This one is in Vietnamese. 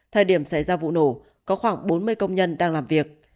thời điểm xảy ra vụ nổ có khoảng bốn mươi công nhân đang làm việc